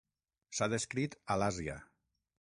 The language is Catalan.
S'ha descrit a l'Àsia.